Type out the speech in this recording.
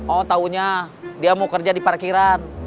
oh taunya dia mau kerja di parkiran